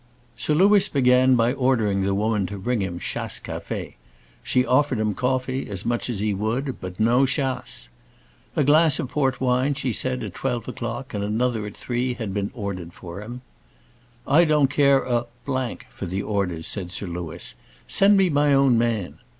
Sir Louis began by ordering the woman to bring him chasse café. She offered him coffee, as much as he would; but no chasse. "A glass of port wine," she said, "at twelve o'clock, and another at three had been ordered for him." "I don't care a for the orders," said Sir Louis; "send me my own man."